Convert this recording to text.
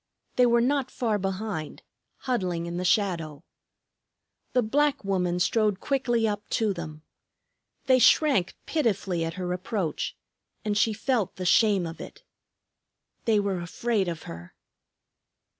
They were not far behind, huddling in the shadow. The black woman strode quickly up to them. They shrank pitifully at her approach, and she felt the shame of it. They were afraid of her!